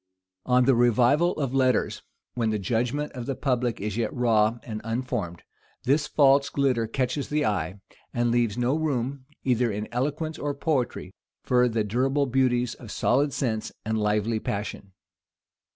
On the revival of letters, when the judgment of the public is yet raw and unformed, this false glitter catches the eye, and leaves no room, either in eloquence or poetry, for the durable beauties of solid sense and lively passion.